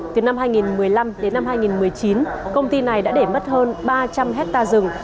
từ năm hai nghìn một mươi năm đến năm hai nghìn một mươi chín công ty này đã để mất hơn ba trăm linh hectare rừng